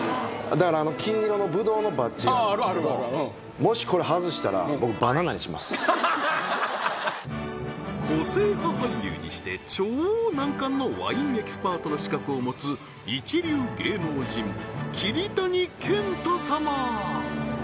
だから金色のブドウのバッジがあるんですけど個性派俳優にして超難関のワインエキスパートの資格を持つ一流芸能人桐谷健太様